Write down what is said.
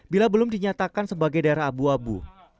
bila belum dinyatakan sebagai daerah abu abu